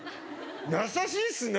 優しいっすね